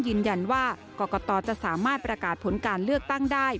ยืนยันว่ากรกตจะสามารถประกาศผลการเลือกตั้งได้